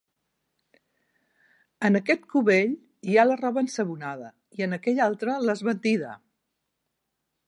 En aquest cubell hi ha la roba ensabonada i en aquell altre l'esbandida.